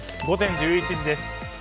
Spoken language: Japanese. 午前１１時です。